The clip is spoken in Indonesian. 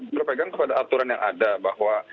berpegang kepada aturan yang ada bahwa